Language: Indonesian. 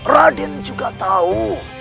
raden juga tahu